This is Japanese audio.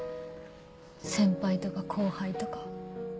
先輩とか後輩とか。